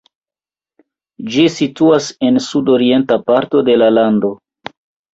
Ĝi situas en sudorienta parto de la lando.